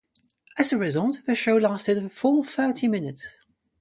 As a result, the show lasted a full thirty minutes.